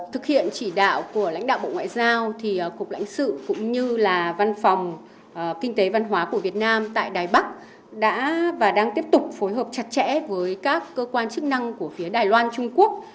thực hiện chỉ đạo của lãnh đạo bộ ngoại giao thì cục lãnh sự cũng như là văn phòng kinh tế văn hóa của việt nam tại đài bắc đã và đang tiếp tục phối hợp chặt chẽ với các cơ quan chức năng của phía đài loan trung quốc